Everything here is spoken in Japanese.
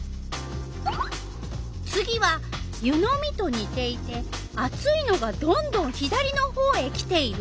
次は「ゆ飲みとにていて熱いのがどんどん左の方へきている」。